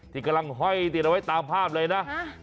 ที่กำลังห้อยติดเอาไว้ตามภาพเลยนะ